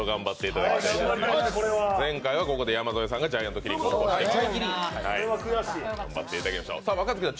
前回はここで山添さんがジャイアントキリングでしたね。